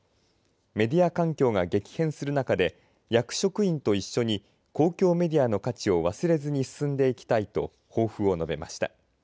メディア環境が激変する中で役職員と一緒に公共メディアの価値を忘れずに進んでいきたいと抱負を述べました。